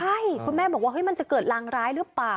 ใช่คุณแม่บอกว่ามันจะเกิดรางร้ายหรือเปล่า